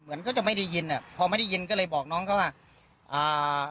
เหมือนเขาจะไม่ได้ยินอ่ะพอไม่ได้ยินก็เลยบอกน้องเขาว่าอ่า